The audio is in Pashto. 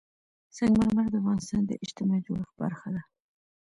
سنگ مرمر د افغانستان د اجتماعي جوړښت برخه ده.